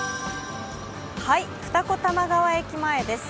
二子玉川駅前です。